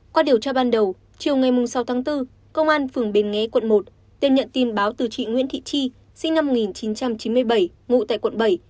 qua điều tra ban đầu chiều sáu bốn công an phường bền nghé quận một đều nhận tin báo từ chị nguyễn thị tri sinh năm một nghìn chín trăm chín mươi bảy ngụ tại quận bảy